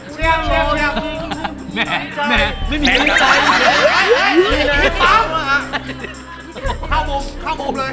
กรุงเทพหมดเลยครับ